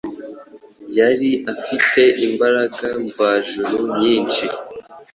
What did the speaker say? Yari afite imbaraga mvajuru nyinshi